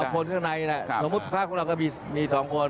เอาคนข้างในน่ะสมมุติด้วยมี๒คน